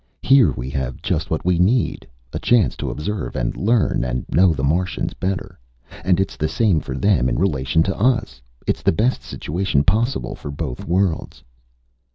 "Here we have just what we need, a chance to observe and learn and know the Martians better. And it's the same for them in relation to us. It's the best situation possible for both worlds."